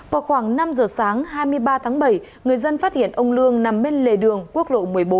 vào khoảng năm giờ sáng hai mươi ba tháng bảy người dân phát hiện ông lương nằm bên lề đường quốc lộ một mươi bốn